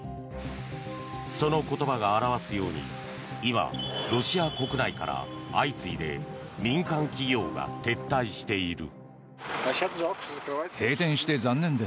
その言葉が表すように今、ロシア国内から相次いで民間企業が撤退している。